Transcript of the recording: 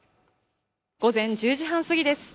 午前１０時半過ぎです